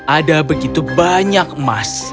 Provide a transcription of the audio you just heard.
ada begitu banyak emas